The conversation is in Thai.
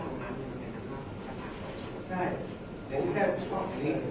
แต่ว่าไม่มีปรากฏว่าถ้าเกิดคนให้ยาที่๓๑